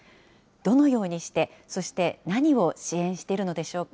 どのようにして、そして何を支援しているのでしょうか。